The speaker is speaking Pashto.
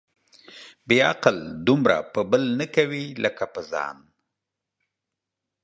بې عقل دومره په بل نه کوي ، لکه په ځان.